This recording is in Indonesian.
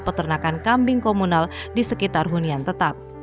peternakan kambing komunal di sekitar hunian tetap